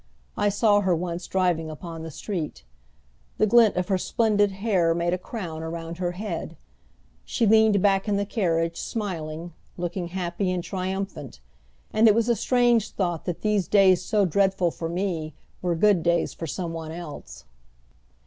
I saw her once driving upon the street. The glint of her splendid hair made a crown around her head. She leaned back in the carriage, smiling, looking happy and triumphant; and it was a strange thought that these days so dreadful for me were good days for some one else.